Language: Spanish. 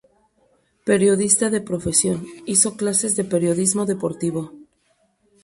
Periodista de profesión, hizo clases de periodismo deportivo.